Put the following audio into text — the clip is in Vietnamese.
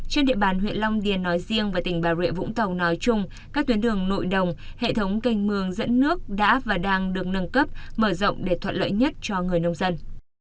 trên địa bàn huyện long điền nói riêng và tỉnh bà rịa vũng tàu nói chung các tuyến đường nội đồng hệ thống canh mương dẫn nước đã và đang được nâng cấp mở rộng để thuận lợi nhất cho người nông dân